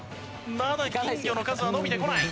まだ金魚の数は伸びてこない。